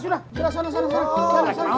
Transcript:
sudah sudah sudah